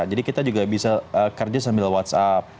jadi kita juga bisa kerja sambil whatsapp